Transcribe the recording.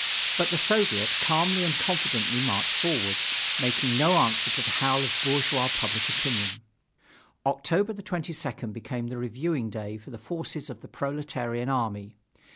But the Soviet calmly and confidently marched forward, making no answer to the howl of bourgeois public opinion. October 22nd became the reviewing day for the forces of the proletarian army.